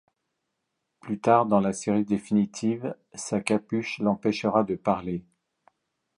Plus tard, dans la série définitive, sa capuche l'empêchera de parler.